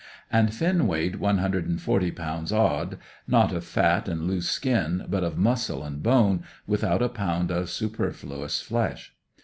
And Finn weighed one hundred and forty pounds odd not of fat and loose skin, but of muscle and bone, without a pound of superfluous flesh.